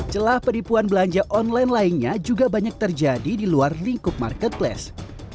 celah penipuan belanja online lainnya juga banyak terjadi di luar lingkup marketplace